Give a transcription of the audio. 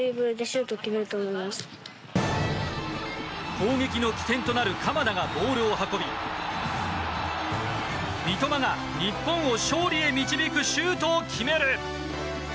攻撃の起点となる鎌田がボールを運び三笘が日本を勝利へ導くシュートを決める。